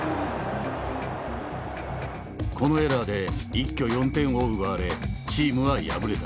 このエラーで一挙４点を奪われチームは敗れた。